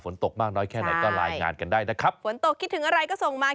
ผวนตกมากน้อยแค่ไหนก็รายงานกันได้ผวนตกคิดถึงไหนก็ทรงมา